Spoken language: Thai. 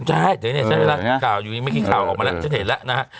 ใช่เดี๋ยวนี้เชิญให้รักกล่าวอยู่ไม่เคยข่าวออกมาแล้วเชิญให้เห็นแล้วนะครับ